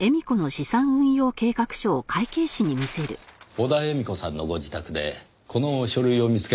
小田絵美子さんのご自宅でこの書類を見つけましてね。